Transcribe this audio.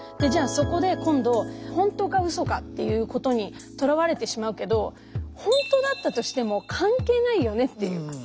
じゃあそこで今度本当かウソかっていうことにとらわれてしまうけど本当だったとしても関係ないよねっていう。